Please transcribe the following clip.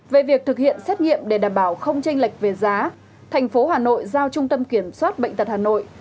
về việc thực hiện xét nghiệm để đảm bảo không tranh lệch về giá thành phố hà nội giao trung tâm kiểm soát bệnh tật hà nội